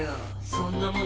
そんなもの